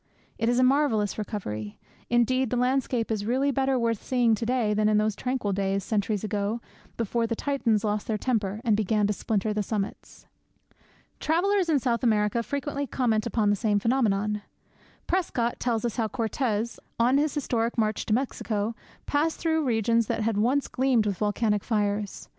It is a marvellous recovery. Indeed, the landscape is really better worth seeing to day than in those tranquil days, centuries ago, before the Titans lost their temper, and began to splinter the summits. Travellers in South America frequently comment upon the same phenomenon. Prescott tells us how Cortes, on his historic march to Mexico, passed through regions that had once gleamed with volcanic fires.